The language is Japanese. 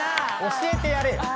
教えてやれよ。